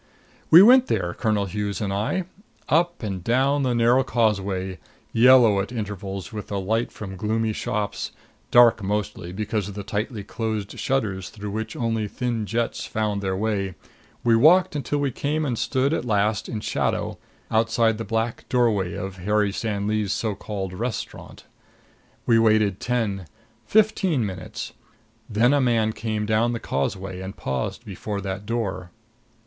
We went there, Colonel Hughes and I. Up and down the narrow Causeway, yellow at intervals with the light from gloomy shops, dark mostly because of tightly closed shutters through which only thin jets found their way, we walked until we came and stood at last in shadow outside the black doorway of Harry San Li's so called restaurant. We waited ten, fifteen minutes; then a man came down the Causeway and paused before that door.